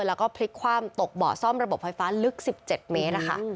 แล้วก็พลิกคว่ำตกเบาะซ่อมระบบไฟฟ้าลึก๑๗เมตรนะคะ